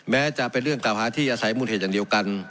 แม้จะเป็นเรื่องกล่าวหาที่อาศัยมูลเหตุอย่างเดียวกัน